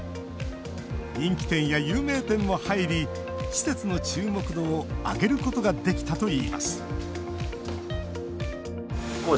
人気店や有名店も入り施設の注目度を上げることができたといいます